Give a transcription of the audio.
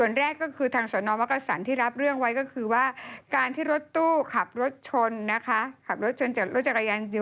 นางลงมาแล้วนางด้านที่ประตูหลัง